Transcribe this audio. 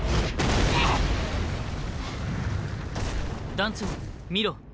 団長見ろ。